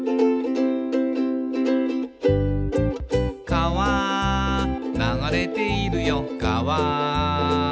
「かわ流れているよかわ」